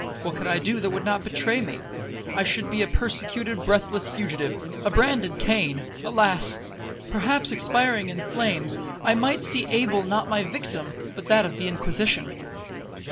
—what could I do that would not betray me? I should be a persecuted, breathless fugitive,—a branded Cain. Alas!—perhaps expiring in flames, I might see Abel not my victim, but that of the Inquisition.'